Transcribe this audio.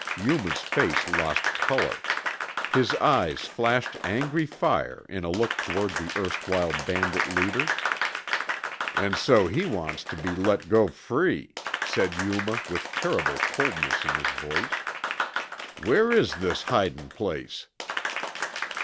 Yuma's face lost color. His eyes flashed angry fire in a look toward the erstwhile bandit leader. "An' so he wants tuh be let go free," said Yuma with terrible coldness in his voice. "Where is this hidin' place?"